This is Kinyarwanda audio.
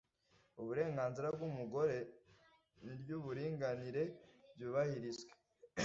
uburenganzira bw umugore n iry uburinganire byubahirizwe